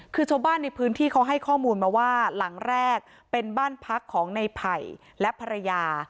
คือชาวบ้านในพื้นที่เขาให้ข้อมูลมาว่าหลังแรกเป็นบ้านพักของในไผ่และภรรยา